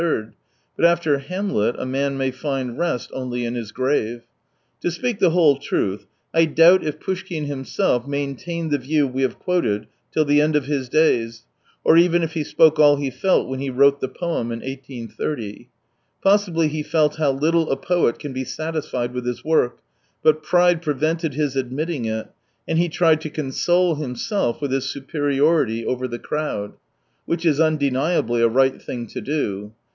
— but after Hamlet a man may find rest only in his grave. To speak the whole truth, I doubt if Poushkin himself maintained the view we have quoted till the end of his days, or even if he spoke all he felt when he wrote the poem in 1830. Possibly he felt how little a poet can be satisfied with his work, but pride prevented his admitting it, and he tried to console himself with his superiority over the crowd. 198 Which is undeniably a right thing to do.